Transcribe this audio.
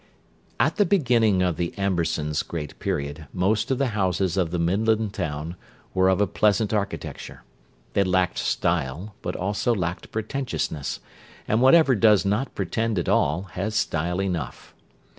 At the beginning of the Ambersons' great period most of the houses of the Midland town were of a pleasant architecture. They lacked style, but also lacked pretentiousness, and whatever does not pretend at all has style enough.